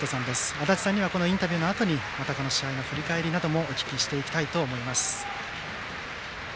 足達さんに、インタビューのあと試合の振り返りなどもお聞きしていきたいと思います。